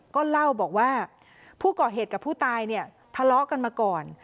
ก็เล่าบอกว่าผู้ก่อเหตุกับผู้ตายเนี่ยทะเลาะกันมาก่อน